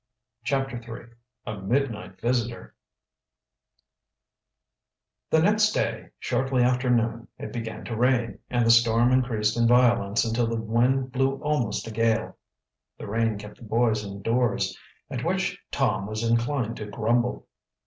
CHAPTER III A MIDNIGHT VISITOR The next day, shortly after noon, it began to rain, and the storm increased in violence until the wind blew almost a gale. The rain kept the boys indoors, at which Tom was inclined to grumble.